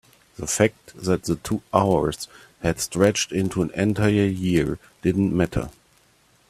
the fact that the two hours had stretched into an entire year didn't matter.